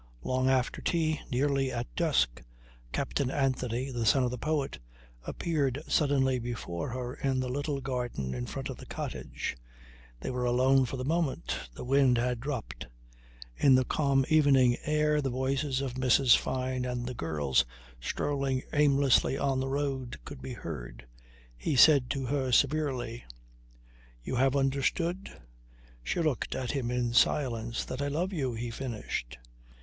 Long after tea, nearly at dusk, Captain Anthony (the son of the poet) appeared suddenly before her in the little garden in front of the cottage. They were alone for the moment. The wind had dropped. In the calm evening air the voices of Mrs. Fyne and the girls strolling aimlessly on the road could be heard. He said to her severely: "You have understood?" She looked at him in silence. "That I love you," he finished.